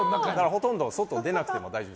ほとんど外に出なくても大丈夫。